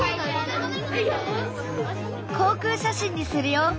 航空写真にするよ！